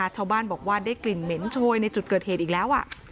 ชาวบ้านบอกว่าได้กลิ่นเหม็นโชยในจุดเกิดเหตุอีกแล้ว